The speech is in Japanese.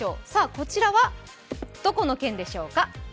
こちらはどこの県でしょうか？